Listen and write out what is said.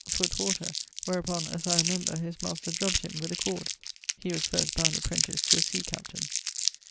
foot water, wherupon (as I remember) his master drubb't him with a cord. [LVIII.] He was first bound apprentice to a sea captaine.